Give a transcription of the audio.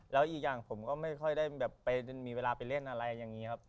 แล้วอีกอย่างผมก็ไม่ค่อยได้แบบไปมีเวลาไปเล่นอะไรอย่างนี้ครับ